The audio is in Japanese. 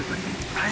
はい。